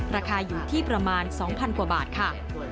ราคาอยู่ที่ประมาณ๒๐๐กว่าบาทค่ะ